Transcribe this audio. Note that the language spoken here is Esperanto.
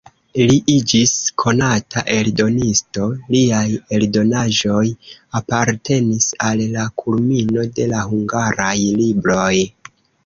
Li iĝis konata eldonisto, liaj eldonaĵoj apartenis al la kulmino de la hungaraj libroj.